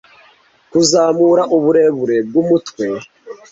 kuzamura uburebure bwumutwe